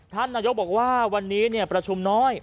ท่านนายกบอกว่าวันนี้ประชุมน้อย